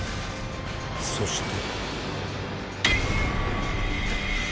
そして。